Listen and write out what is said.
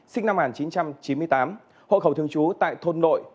sinh năm một nghìn chín trăm chín mươi tám hộ khẩu thương chú tại thôn nội